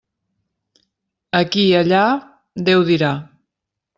Aquí i allà, Déu dirà.